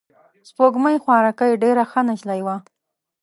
سپوږمۍ خوارکۍ ډېره ښه نجلۍ وه.